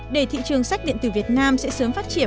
để thị trường sách điện tử việt nam sẽ sớm phát triển